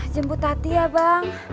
jemput hati ya bang